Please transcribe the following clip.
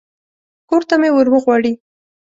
کور ته مې ور وغواړي.